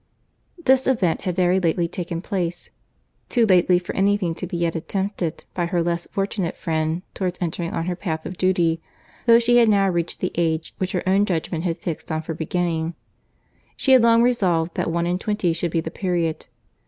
This event had very lately taken place; too lately for any thing to be yet attempted by her less fortunate friend towards entering on her path of duty; though she had now reached the age which her own judgment had fixed on for beginning. She had long resolved that one and twenty should be the period.